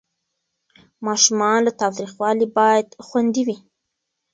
ماشومان له تاوتریخوالي باید خوندي وي.